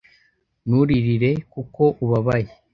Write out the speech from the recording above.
nturirire kuko ubabaye